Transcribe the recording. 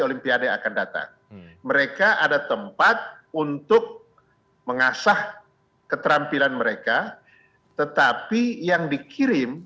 olimpiade akan datang mereka ada tempat untuk mengasah keterampilan mereka tetapi yang dikirim